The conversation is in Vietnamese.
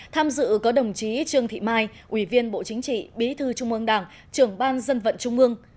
tham dự có đồng chí trương thị mai ủy viên bộ chính trị bí thư trung ương đảng trưởng ban dân vận trung ương